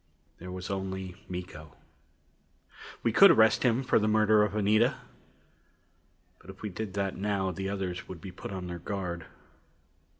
There was only Miko. We could arrest him for the murder of Anita. But if we did that now, the others would be put on their guard.